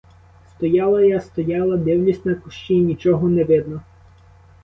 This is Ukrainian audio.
Стояла я, стояла, дивлюсь на кущі, нічого не видно.